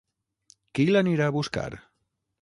Qui l'anirà a buscar?